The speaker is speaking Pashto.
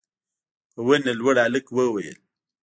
په ونه لوړ هلک وويل: